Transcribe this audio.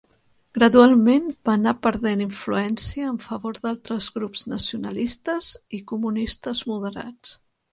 Gradualment va anar perdent influència en favor d'altres grups nacionalistes i comunistes moderats.